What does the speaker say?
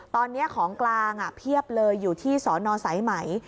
ตอนนี้ของกลางเพียบเลยอยู่ที่สอนอสายไหม